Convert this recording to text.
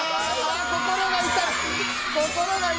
心が痛い！